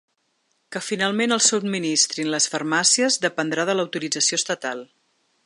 Que finalment els subministrin les farmàcies dependrà de l’autorització estatal.